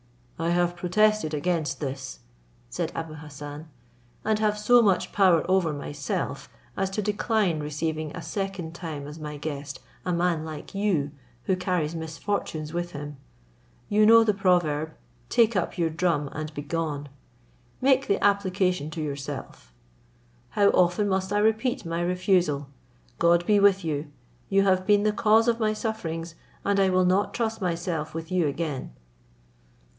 "I have protested against this," said Abou Hassan, "and have so much power over myself, as to decline receiving a second time as my guest, a man like you who carries misfortunes with him. You know the proverb, 'Take up your drum and begone.' Make the application to yourself. How often must I repeat my refusal. God be with you! You have been the cause of my sufferings, and I will not trust myself with you again."